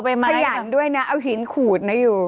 ขยันด้วยนะเอาหินขูดนะอยู่